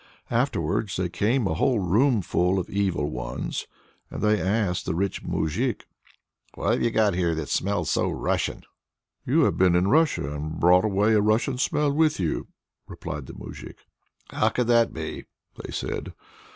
Afterwards there came a whole roomful of evil ones, and they asked the rich moujik: "What have you got here that smells so Russian?" "You have been in Russia and brought away a Russian smell with you," replied the moujik. "How could that be?" they said.